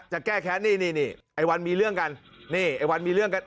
จะแก้แค้นนี่นี่ไอ้วันมีเรื่องกันนี่ไอ้วันมีเรื่องกัน